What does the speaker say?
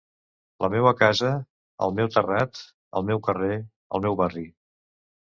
La meua casa, el meu terrat, el meu carrer, el meu barri...